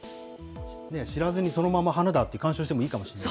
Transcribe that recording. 知らずにそのまま花だって観賞してもいいかもしれない。